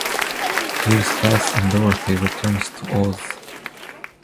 Years pass, and Dorothy returns to Oz.